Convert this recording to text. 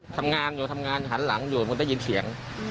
ทำงานอยู่ทำงานหันหลังอยู่มันได้ยินเสียง